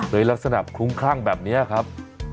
เลยลักษณะคลุ้งข้างแบบนี้ครับ